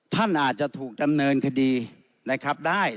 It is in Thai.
ท่านอาจจะถูกดำเนินคดีนะครับได้